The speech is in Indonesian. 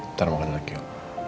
ntar makan lagi om